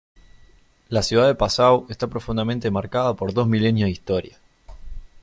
La ciudad de Passau está profundamente marcada por dos milenios de historia.